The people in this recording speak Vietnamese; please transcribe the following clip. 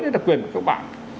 nên là quyền của các bạn